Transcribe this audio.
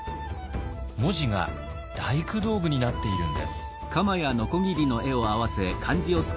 文字が大工道具になっているんです。